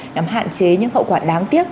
nằm hạn chế những hậu quả đáng tiếc